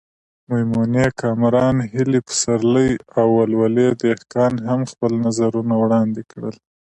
میمونې کامران، هیلې پسرلی او ولولې دهقان هم خپل نظرونه وړاندې کړل.